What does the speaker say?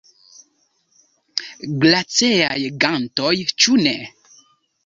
Glaceaj gantoj, ĉu ne?